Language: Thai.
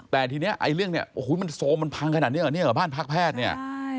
แต่ทีนี้ไอ้เรื่องเนี่ยโอ้โหมันโซมมันพังขนาดนี้เหรอเนี่ยเหรอบ้านพักแพทย์เนี่ย